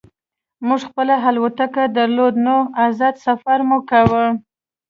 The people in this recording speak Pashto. موږ خپله الوتکه درلوده نو ازاد سفر مو کاوه